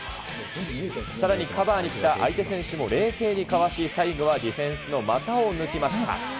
さらにカバーに来た相手選手も冷静にかわし、最後はディフェンスの股を抜きました。